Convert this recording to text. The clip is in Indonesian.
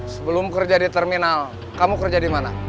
sebelum kerja di terminal kamu kerja di mana